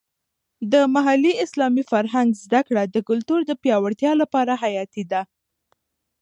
د محلي اسلامي فرهنګ زده کړه د کلتور د پیاوړتیا لپاره حیاتي ده.